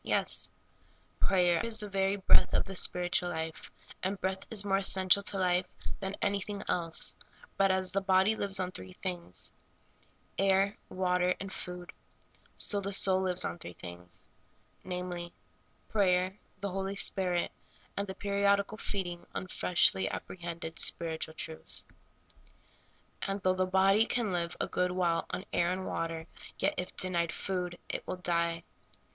Yes. Prayer is the very breath of the spiritual life, and breath is more essential to life than anything else ; but as the body lives on three things — air, w^ater, and food — so the soul lives on three things — namely, prayer, the Holy Spirit, and the periodical feeding on freshh apprehended spiritual truth. And though the body can live a good while on air and water, yet, if denied food, it will die.